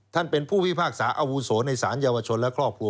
ท่านเป็นผู้พิพากษาอาวุโสในสารเยาวชนและครอบครัว